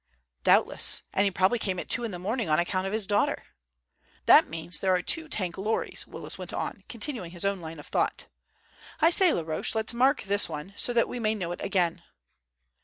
"Doubtless; and he probably came at two in the morning on account of his daughter." "That means there are two tank lorries," Willis went on, continuing his own line of thought. "I say, Laroche, let's mark this one so that we may know it again."